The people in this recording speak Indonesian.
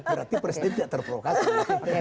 berarti presiden tidak terprovokasi